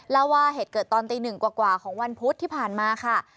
เล่าว่าเหตุเกิดตอนตีหนึ่งกว่าของวันพุธที่ผ่านมาค่ะ